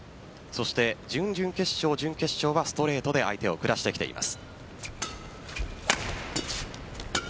準々決勝、準決勝はストレートで相手を下してきています。